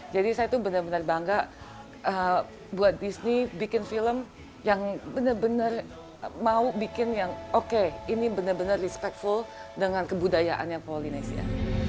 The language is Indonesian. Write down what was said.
jadi saya benar benar bangga buat disney bikin film yang benar benar mau bikin yang oke ini benar benar respectful dengan kebudayaannya polinesia